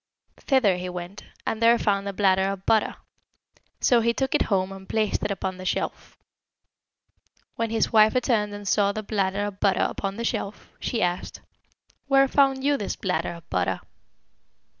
Thither he went, and there found a bladder of butter; so he took it home and placed it upon the shelf. When his wife returned and saw the bladder of butter upon the shelf, she asked, 'Where found you this bladder of butter?'